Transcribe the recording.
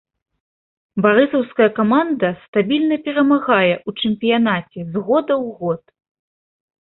Барысаўская каманда стабільна перамагае ў чэмпіянаце з года ў год.